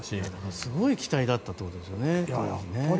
すごい機体だったということですね、当時。